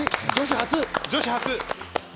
女子初。